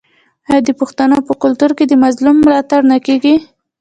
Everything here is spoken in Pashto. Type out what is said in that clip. آیا د پښتنو په کلتور کې د مظلوم ملاتړ نه کیږي؟